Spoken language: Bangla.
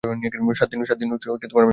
সাত দিন আমি বাড়িতে থাকিব।